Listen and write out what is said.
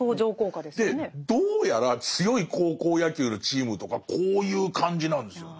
でどうやら強い高校野球のチームとかこういう感じなんですよ。